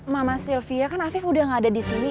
mama sylvia kan afif udah gak ada disini